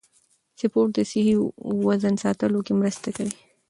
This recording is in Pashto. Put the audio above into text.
سپورت د صحي وزن ساتلو کې مرسته کوي.